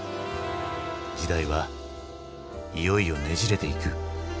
時代はいよいよねじれていく。